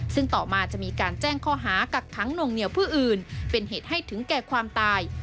ซึ่งต่อมามีการแจ้งข้อหากากคั้งนวงเนียวเพื่ออื่นเป็นเหตุให้ถึงแก่ตาย